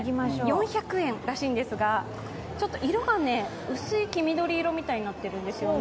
４００円らしいんですが、色が薄い黄緑色みたいになっているんですね。